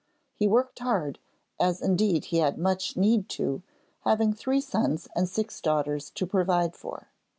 He worked hard, as indeed he had much need to do having three sons and six daughters to provide for.